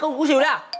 cô cú sỉu đây à